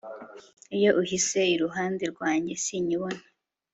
iyo ihise iruhande rwanjye, sinyibona